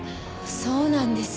そうなんですか。